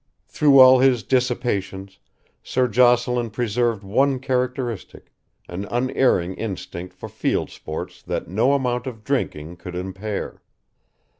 Through all his dissipations Sir Jocelyn preserved one characteristic, an unerring instinct for field sports that no amount of drinking could impair.